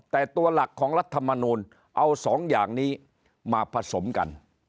แต่ตัวหลักของรัฐมนูลเอาสองอย่างนี้มาผสมกัน